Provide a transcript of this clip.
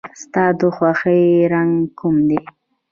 ستا د خوښې رنګ کوم دی؟